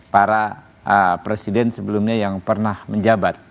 para presiden sebelumnya yang pernah menjabat